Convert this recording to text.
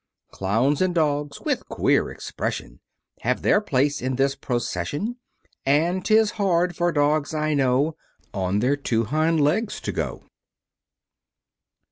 Clowns, and Dogs with queer expression Have their place in this procession; And 'tis hard for dogs, I know, On their two hind legs to go.